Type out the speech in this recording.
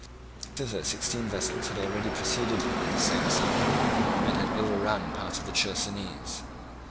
Thither sixteen vessels had already preceded him in the same summer, and had overrun part of the Chersonese.